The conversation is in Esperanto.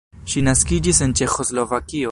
Ŝi naskiĝis en Ĉeĥoslovakio.